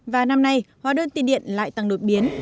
và năm nay hóa đơn tiền điện lại tăng đột biến